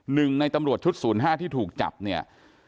หนึ่งในตำรวจชุด๐๕ที่ถูกจับเนี่ย